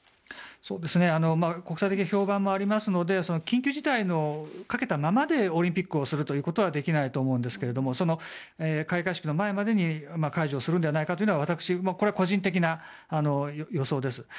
国際的評判もありますので緊急事態をかけたままでオリンピックをするということはできないと思うんですが開会式の前までに解除をするのではないかと私の個人的な予想です。